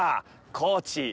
高知！